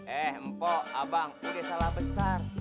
eh mpok abang udah salah besar